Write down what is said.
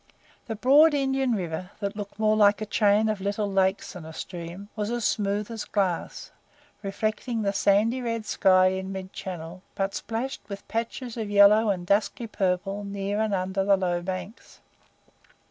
The broad Indian river, that looked more like a chain of little lakes than a stream, was as smooth as glass, reflecting the sandy red sky in mid channel, but splashed with patches of yellow and dusky purple near and under the low banks.